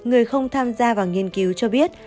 người không tham gia vào nghiên cứu cho biết